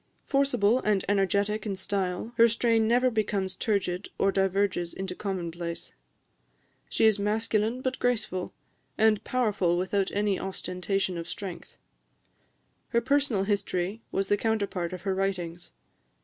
Forcible and energetic in style, her strain never becomes turgid or diverges into commonplace. She is masculine, but graceful; and powerful without any ostentation of strength. Her personal history was the counterpart of her writings.